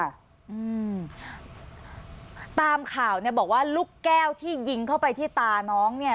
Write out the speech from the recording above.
อืมตามข่าวเนี้ยบอกว่าลูกแก้วที่ยิงเข้าไปที่ตาน้องเนี้ย